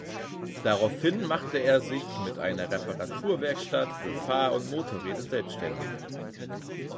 Daraufhin machte er sich mit einer Reparaturwerkstatt für Fahr- und Motorräder selbständig.